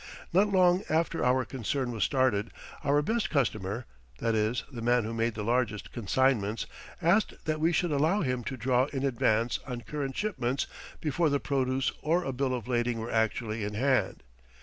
Not long after our concern was started our best customer that is, the man who made the largest consignments asked that we should allow him to draw in advance on current shipments before the produce or a bill of lading were actually in hand.